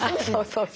そうそう。